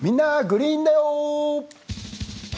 グリーンだよ」。